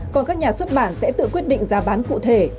còn các nhà xuất bản sẽ tự quyết định giá bán cụ thể